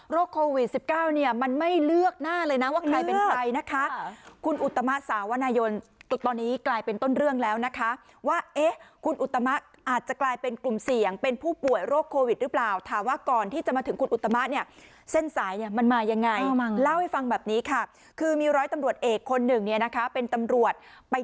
โควิด๑๙เนี่ยมันไม่เลือกหน้าเลยนะว่าใครเป็นใครนะคะคุณอุตมะสาวนายนตอนนี้กลายเป็นต้นเรื่องแล้วนะคะว่าเอ๊ะคุณอุตมะอาจจะกลายเป็นกลุ่มเสี่ยงเป็นผู้ป่วยโรคโควิดหรือเปล่าถามว่าก่อนที่จะมาถึงคุณอุตมะเนี่ยเส้นสายเนี่ยมันมายังไงเล่าให้ฟังแบบนี้ค่ะคือมีร้อยตำรวจเอกคนหนึ่งเนี่ยนะคะเป็นตำรวจไป